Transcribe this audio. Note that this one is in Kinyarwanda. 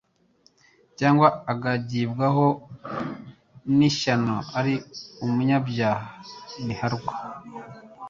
cyangwa akagibwaho n'ishyano ari umunyabyaha niharwa,